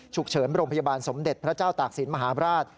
ฉุกเฉินโรงพยาบาลสมเด็จพระเจ้าตากศิลปราช